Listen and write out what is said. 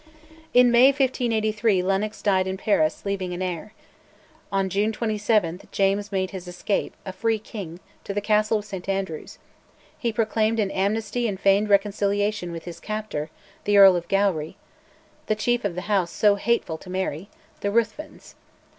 In May 1583 Lennox died in Paris, leaving an heir. On June 27 James made his escape, "a free king," to the castle of St Andrews: he proclaimed an amnesty and feigned reconciliation with his captor, the Earl of Gowrie, chief of the house so hateful to Mary the Ruthvens.